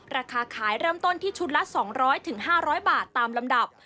ราคาขายเริ่มต้นที่ชุดละ๒๐๐๕๐๐บาทตามลำดับ